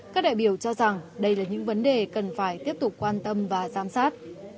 các đại biểu cho rằng đây là những vấn đề cần phải tiếp tục quan tâm và giám sát